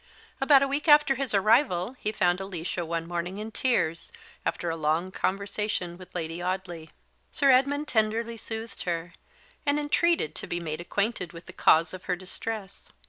About a week after his arrival he found Alicia one morning in tears, after a long conversation with Lady Audley. Sir Edmund tenderly soothed her, and entreated to be made acquainted with the cause of her distress.